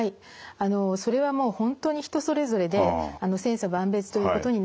あのそれはもう本当に人それぞれで千差万別ということになります。